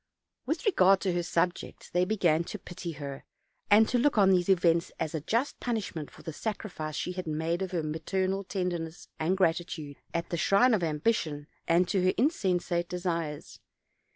With regard to her subjects, they began to pity her, and to look on these events as a just punishment for the sacri fice she had made of her maternal tenderness and grati tude, at the shrine of ambition and to her insensate desires.